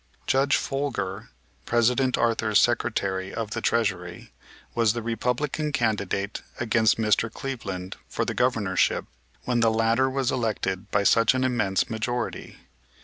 Judge Folger, President Arthur's Secretary of the Treasury, was the Republican candidate against Mr. Cleveland for the Governorship when the latter was elected by such an immense majority.